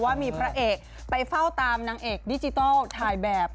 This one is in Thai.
ว่ามีพระเอกไปเฝ้าตามนางเอกดิจิทัลถ่ายแบบ